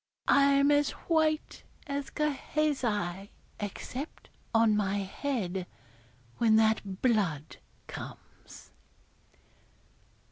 I'm as white as Gehazi, except on my head, when that blood comes.'